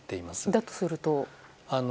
だとすると？